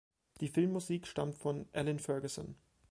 Die Filmmusik stammt von Allyn Ferguson.